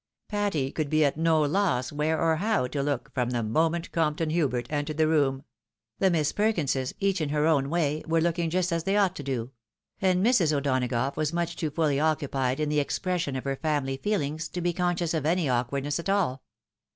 Patty could be at no loss where or how to look from the moment Compton Hubert entered the room ; the Miss Perkinses, each in her own way, were looking just as they ought to do; and Mrs. O'Dona gough was much too fuUy occupied in the expression of her family feelings to be conscious of any awkwardness at all.